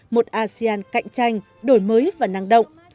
một asean cạnh tranh đổi mới và năng động